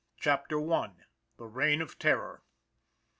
CHAPTER I. THE REIGN OF TERROR.